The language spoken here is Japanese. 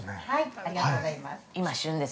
◆ありがとうございます。